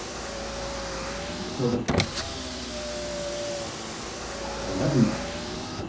そうだろ？だから何だよ。